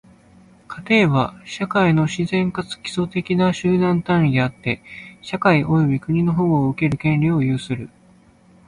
家庭は、社会の自然かつ基礎的な集団単位であって、社会及び国の保護を受ける権利を有する。